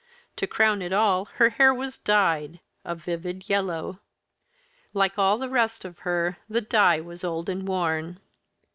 To crown it all, her hair was dyed a vivid yellow. Like all the rest of her, the dye was old and worn.